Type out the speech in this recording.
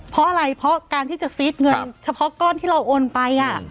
เพราะอะไรเพราะการที่จะฟีดเงินเฉพาะก้อนที่เราโอนไป